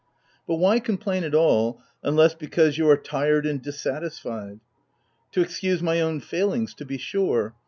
" But why complain at all, unless, because you are tired and dissatisfied ?"" To excuse my own failings, to be sure.